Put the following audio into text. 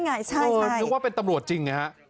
นึกว่าเป็นตำรวจจริงนะครับ